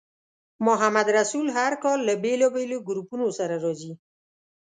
محمدرسول هر کال له بېلابېلو ګروپونو سره راځي.